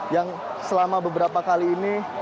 yang selama beberapa kali ini